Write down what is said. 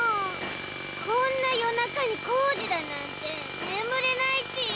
こんなよなかに工事だなんてねむれないち。